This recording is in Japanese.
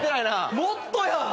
もっとや！